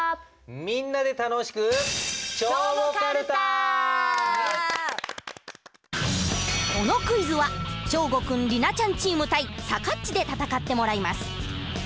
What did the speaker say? みんなで楽しくこのクイズは祥伍君莉奈ちゃんチーム対さかっちで戦ってもらいます。